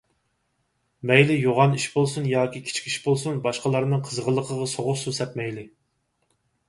مەيلى يوغان ئىش بولسۇن ياكى كىچىك ئىش بولسۇن، باشقىلارنىڭ قىزغىنلىقىغا سوغۇق سۇ سەپمەيلى.